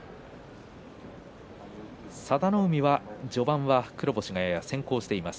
佐田の海は序盤は黒星がやや先行しています。